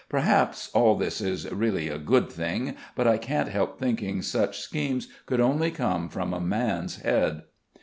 Perhaps all this is really a good thing, but I can't help thinking such schemes could only come from a man's head.